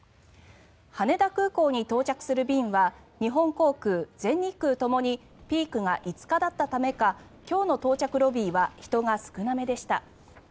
羽田空港に到着する便は日本航空、全日空ともにピークが５日だったためか今日の到着ロビーは人が少なめでした。